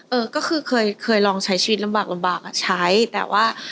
เออก็คือเคยเคยลองใช้ชีวิตลำบากลำบากอ่ะใช้แต่ว่า